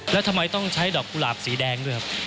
แล้วทำไมต้องใช้ดอกกุหลาบสีแดงด้วยครับ